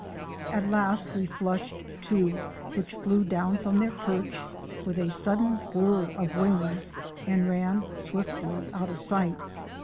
At last we flushed two which flew down from their perch with a sudden whirr of wings and ran swiftly out of sight.